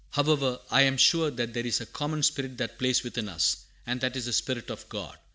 "However, I am sure that there is a common spirit that plays within us, and that is the Spirit of God.